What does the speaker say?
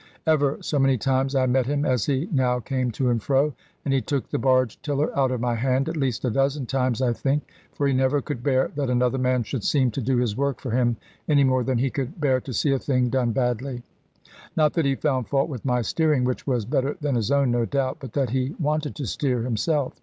Ever so many times I met him, as he now came to and fro; and he took the barge tiller out of my hand, at least a dozen times, I think. For he never could bear that another man should seem to do his work for him, any more than he could bear to see a thing done badly. Not that he found fault with my steering (which was better than his own, no doubt), but that he wanted to steer himself.